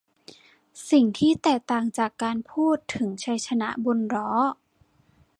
สิ่งที่แตกต่างจากการพูดถึงชัยชนะบนล้อ